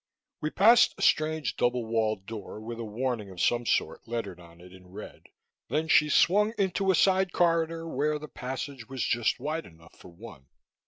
We passed a strange double walled door with a warning of some sort lettered on it in red; then she swung into a side corridor where the passage was just wide enough for one.